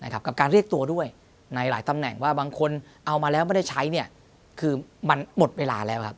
กับการเรียกตัวด้วยในหลายตำแหน่งว่าบางคนเอามาแล้วไม่ได้ใช้คือมันหมดเวลาแล้วครับ